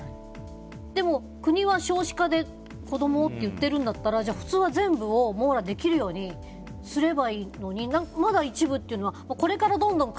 でも、国は少子化で子供といっているなら普通は全部を網羅できるようにすればいいのにまだ一部っていうのは。